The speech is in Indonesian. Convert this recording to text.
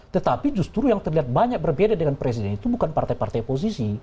tetapi justru yang terlihat banyak berbeda dengan presiden itu bukan partai partai oposisi